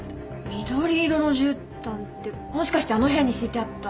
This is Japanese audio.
緑色のじゅうたんってもしかしてあの部屋に敷いてあった？